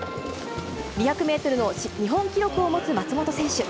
２００メートルの日本記録を持つ松元選手。